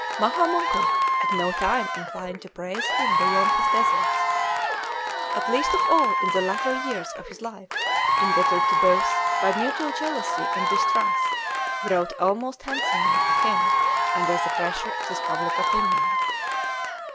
Maha Mongkut at no time inclined to praise him beyond his deserts, and least of all in the latter years of his life, imbittered to both by mutual jealousy and distrust wrote almost handsomely of him under the pressure of this public opinion.